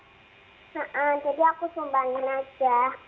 iya jadi aku sumbangan aja